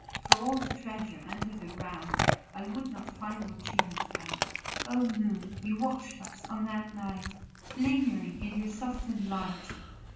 For all the treasure under the ground I would not find what she has found. 0 Moon, you watched us on that night, Lingering in your softened light.